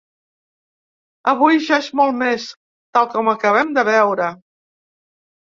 Avui, ja és molt més, tal com acabem de veure.